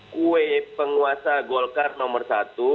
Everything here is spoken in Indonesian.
kue penguasa golkar nomor satu